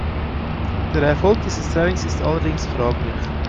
Der Erfolg dieses Trainings ist allerdings fraglich.